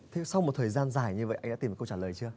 thế sau một thời gian dài như vậy anh đã tìm một câu trả lời chưa